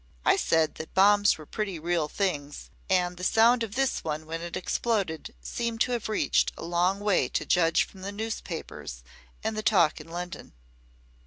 I said that bombs were pretty real things and the sound of this one when it exploded seemed to have reached a long way to judge from the newspapers and the talk in London.